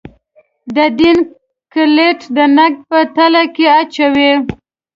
د دین کُلیت د نقد په تله کې اچوي.